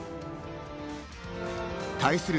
対する